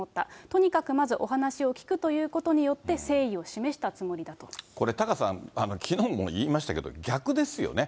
とにかくまずお話を聞くということによって、これ、タカさん、きのうも言いましたけど、逆ですよね。